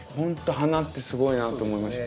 花ってすごいなと思いました。